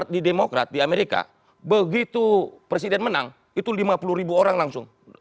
di demokrat di amerika begitu presiden menang itu lima puluh ribu orang langsung